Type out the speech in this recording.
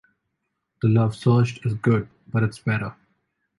The love searched is good, but it’s better.